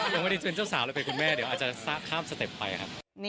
ยังไม่ได้เชิญเจ้าสาวเลยเป็นคุณแม่เดี๋ยวอาจจะข้ามสเต็ปไปครับ